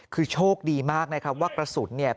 คือโชคดีมากนะครับว่ากระสุนเนี่ย